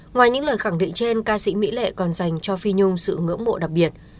ngoài những lời khẳng định trên ca sĩ mỹ lệ còn dành cho phi nhung sự ngưỡng mộ đặc biệt